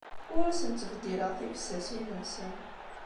Ur asen-ttbeddileɣ tibessasin-nsen.